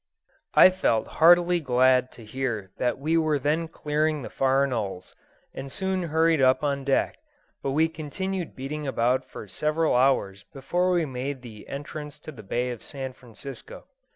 ... I felt heartily glad to hear that we were then clearing the Faranolles, and soon hurried up on deck, but we continued beating about for several hours before we made the entrance to the Bay of San Francisco.